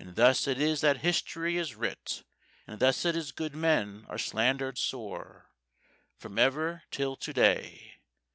_" And thus it is that history is writ, And thus it is good men are slandered sore From ever till to day.